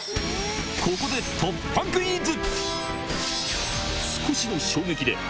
ここで突破クイズ！